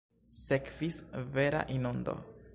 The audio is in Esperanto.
Sekvis vera inundo.